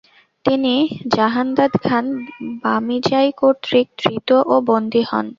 তিনি জাহানদাদ খান বামিজাই কর্তৃক ধৃত ও বন্দী হন।